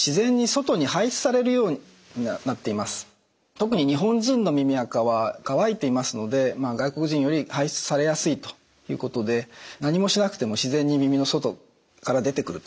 特に日本人の耳あかは乾いていますので外国人より排出されやすいということで何もしなくても自然に耳の外から出てくるということになります。